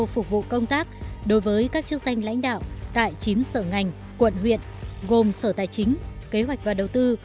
phục vụ công tác đối với các chức danh lãnh đạo tại chín sở ngành quận huyện gồm sở tài chính kế hoạch và đầu tư